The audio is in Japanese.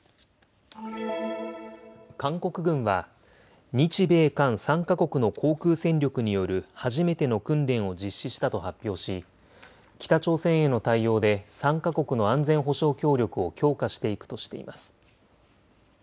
韓国軍は日米韓３か国の航空戦力による初めての訓練を実施したと発表し北朝鮮への対応で３か国の安全保障協力を強化していくとしています。